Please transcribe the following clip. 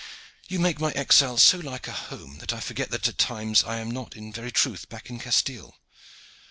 "You make my exile so like a home that I forget at times that I am not in very truth back in Castile.